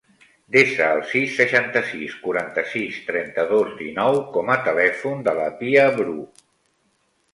Desa el sis, seixanta-sis, quaranta-sis, trenta-dos, dinou com a telèfon de la Pia Bru.